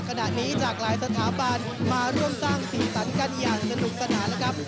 ขณะนี้จากหลายสถาบันมาร่วมสร้างสีสันกันอย่างสนุกสนานแล้วครับ